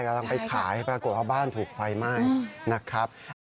กำลังไปขายปรากฏว่าบ้านถูกไฟไหม้นะครับ